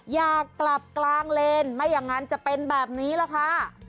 อยากกลับกลางเลนไม่อย่างนั้นจะเป็นแบบนี้แหละค่ะ